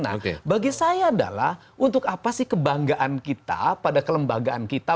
nah bagi saya adalah untuk apa sih kebanggaan kita pada kelembagaan kita